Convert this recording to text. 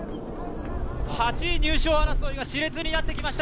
８位入賞争いがしれつになってきました。